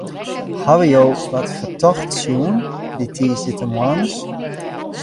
Hawwe jo wat fertochts sjoen dy tiisdeitemoarns?